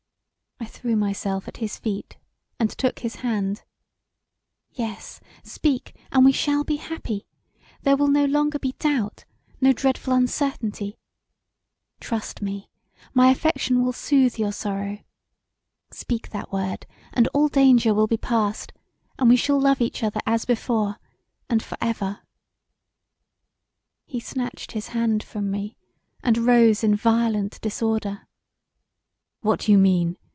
I threw myself at his feet, and took his hand, "Yes, speak, and we shall be happy; there will no longer be doubt, no dreadful uncertainty; trust me, my affection will soothe your sorrow; speak that word and all danger will be past, and we shall love each other as before, and for ever." He snatched his hand from me, and rose in violent disorder: "What do you mean?